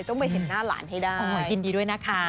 ต้องไปเห็นหน้าหลานให้ได้ยินดีด้วยนะคะ